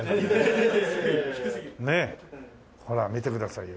ねえほら見てくださいよ。